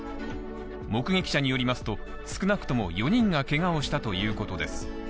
目撃者によりますと、少なくとも４人がけがをしたということです。